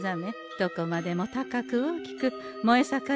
どこまでも高く大きく燃え盛ることでしょう。